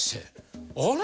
あれ？